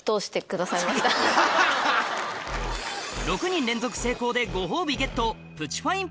６人連続成功でご褒美ゲット